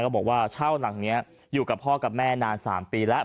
บอกว่าเช่าหลังนี้อยู่กับพ่อกับแม่นาน๓ปีแล้ว